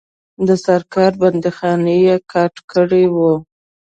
د سرکار بندیخانې یې کاټ کړي وه.